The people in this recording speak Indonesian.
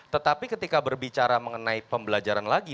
tetapi ketika berbicara mengenai pembelajaran lagi